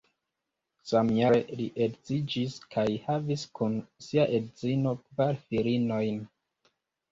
Samjare li edziĝis kaj havis kun sia edzino kvar filinojn.